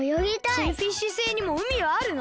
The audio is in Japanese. シェルフィッシュ星にもうみはあるの？